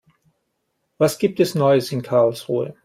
Was gibt es Neues in Karlsruhe?